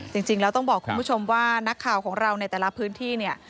จริงแล้วต้องบอกคุณผู้ชมว่านักข่าวของเราในแต่ละพื้นที่เนี่ย